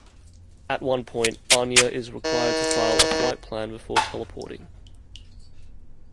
At one point, Anya is required to file a flightplan before teleporting.